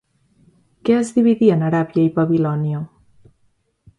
Què es dividien Aràbia i Babilònia?